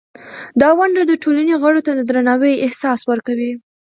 دا ونډه د ټولنې غړو ته د درناوي احساس ورکوي.